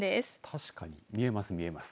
確かに見えます見えます。